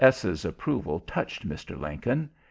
S 's approval touched Mr. Lincoln.